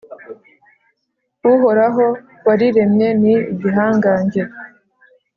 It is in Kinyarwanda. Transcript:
Uhoraho wariremye ni igihangange,